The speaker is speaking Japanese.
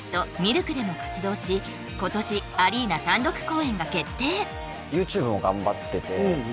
ＬＫでも活動し今年アリーナ単独公演が決定